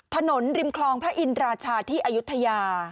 ถนนริมคลองพระอินราชาที่อายุทยา